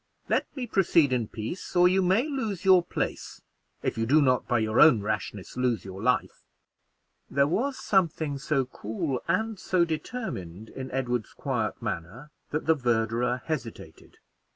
Let me proceed in peace, or you may lose your place, if you do not, by your own rashness, lose your life." There was something so cool and so determined in Edward's quiet manner, that the verderer hesitated.